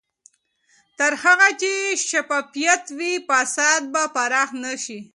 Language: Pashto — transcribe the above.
تر هغه چې شفافیت وي، فساد به پراخ نه شي.